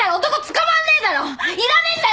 いらねえんだよ